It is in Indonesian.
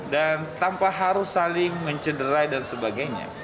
dan tanpa harus saling mencederai dan sebagainya